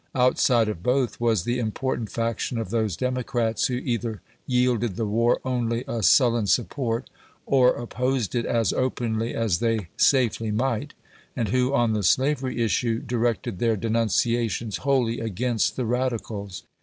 Outside of both was the important faction of those Democrats who either yielded the war only a sullen support or opposed it as openly as they safely might, and who, on the slavery issue, directed their denunciations wholly against the radicals.